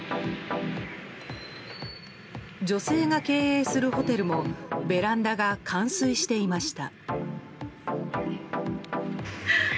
女性が経営するホテルもベランダが冠水していました。